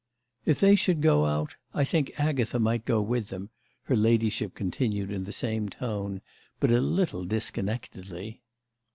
"If they should go out I think Agatha might go with them," her ladyship continued in the same tone, but a little disconnectedly.